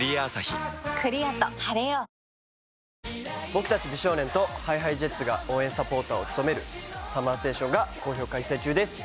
「僕たち美少年とＨｉＨｉＪｅｔｓが応援サポーターを務めるＳＵＭＭＥＲＳＴＡＴＩＯＮが好評開催中です」